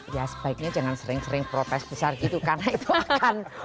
ya sebaiknya jangan sering sering protes besar gitu karena itu akan